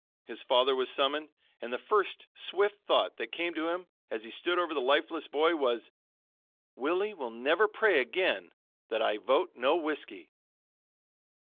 His father was summoned, and the first swift thought that came to him, as he stood over the lifeless boy, was: "Willie will never pray again that I vote No Whiskey."